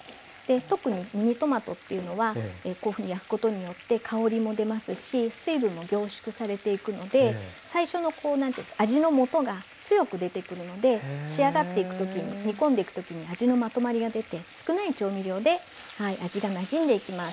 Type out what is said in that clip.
特にミニトマトっていうのはこういうふうに焼くことによって香りも出ますし水分も凝縮されていくので最初の味のもとが強く出てくるので仕上がっていく時に煮込んでいく時に味のまとまりが出て少ない調味料で味がなじんでいきます。